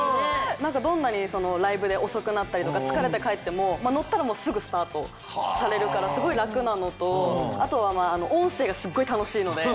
どんなにライブで遅くなったりとか疲れて帰っても乗ったらすぐスタートされるからすごい楽なのとあとは音声がすっごい楽しいので。